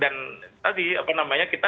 dan tadi apa namanya kita